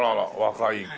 はい。